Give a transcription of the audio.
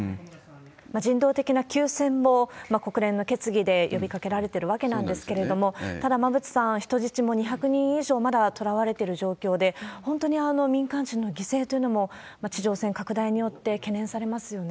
人道的な休戦も国連の決議で呼びかけられてるわけなんですけれども、ただ、馬渕さん、人質も２００人以上まだ捕らわれてる状況で、本当に民間人の犠牲というのも、地上戦拡大によって懸念されますよね。